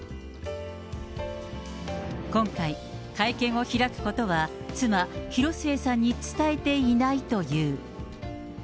今回、会見を開くことは妻、広末さんに伝えていないという。